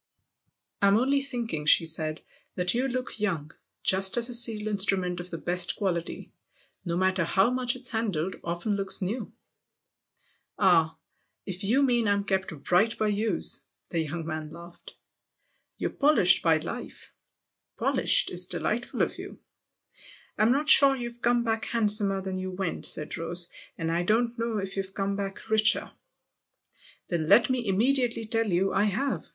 " I'm only thinking," she said, " that you look young just as a steel instrument of the best quality, no matter how much it's handled, often looks new." 42 THE OTHER HOUSE " Ah, if you mean I'm kept bright by use !" the young man laughed. "You're polished by life." 41 ' Polished ' is delightful of you !"" I'm not sure you've come back handsomer than you went," said Rose, " and I don't know if you've come back richer." " Then let me immediately tell you I have